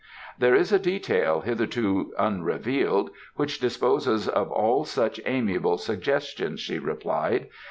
"There is a detail, hitherto unrevealed, which disposes of all such amiable suggestions," she replied.